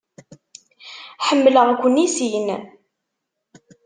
Ḥemmleɣ-ken i sin.